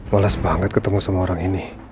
wales banget ketemu sama orang ini